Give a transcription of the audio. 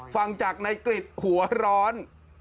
ฟังจากนายกริจหัวร้อน